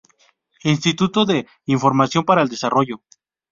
Instituto de Información para el Desarrollo.